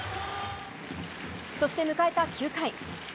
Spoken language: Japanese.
そして、迎えた９回。